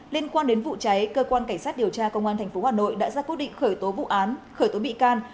liên quan đến vụ cháy cơ quan cảnh sát điều tra công an tp hà nội đã ra quyết định khởi tố vụ án khởi tố bị can